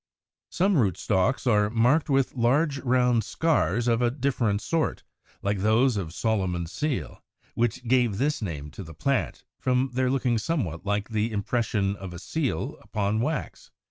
107. Some rootstocks are marked with large round scars of a different sort, like those of the Solomon's Seal (Fig. 99), which gave this name to the plant, from their looking somewhat like the impression of a seal upon wax.